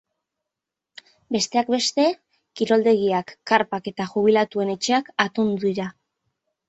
Besteak beste, kiroldegiak, karpak eta jubilatuen etxeak atondu dira.